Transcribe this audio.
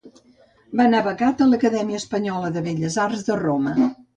Va anar becat a l'Acadèmia Espanyola de Belles Arts de Roma.